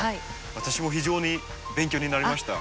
私も非常に勉強になりました。